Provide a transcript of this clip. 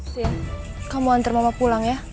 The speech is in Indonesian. sih kamu hantar mama pulang ya